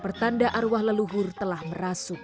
pertanda arwah leluhur telah merasuk